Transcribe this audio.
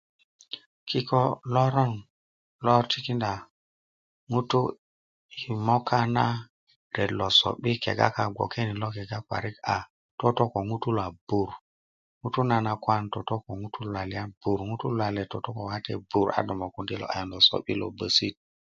kiko' loron lo tikinda ŋutu i moka na ret lo so'bi kega kaŋ bgoke ni lo kega parik toto ko ŋutu a bur ŋutu nanakwan toto ko ŋutu luwalian a bur ŋutu luwalian toto ko ŋutu wate bur a mokundi i lo ayan lo so'bi lo bosito